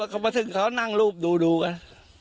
ไม่จุดเขามาถึงเขานั่งรูปดูกัน